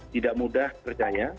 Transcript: tidak mudah percaya